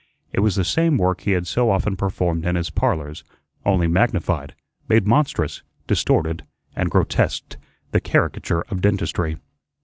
It was the same work he had so often performed in his "Parlors," only magnified, made monstrous, distorted, and grotesqued, the caricature of dentistry.